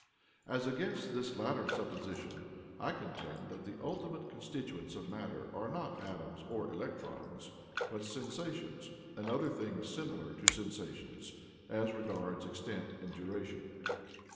As against this latter supposition, I contend that the ultimate constituents of matter are not atoms or electrons, but sensations, and other things similar to sensations as regards extent and duration.